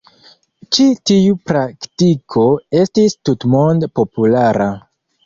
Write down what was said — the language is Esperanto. Ĉi tiu praktiko estis tutmonde populara.